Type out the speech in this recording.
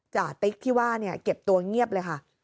จติ๊กที่ว่าเนี่ยเก็บตัวเงียบเลยค่ะ